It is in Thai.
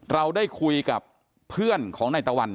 เราได้คุยกับเพื่อนของนายตะวัน